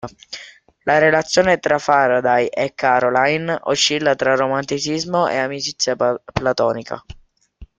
La relazione tra Faraday e Caroline oscilla tra romanticismo e amicizia platonica.